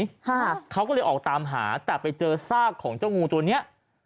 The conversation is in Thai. ค่ะเขาก็เลยออกตามหาแต่ไปเจอซากของเจ้างูตัวเนี้ย